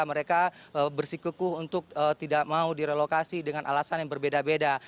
mereka bersikukuh untuk tidak mau direlokasi dengan alasan yang berbeda beda